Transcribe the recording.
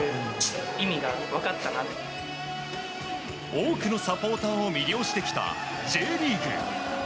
多くのサポーターを魅了してきたＪリーグ。